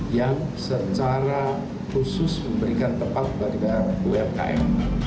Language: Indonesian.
yang secara khusus memberikan tempat bagi umkm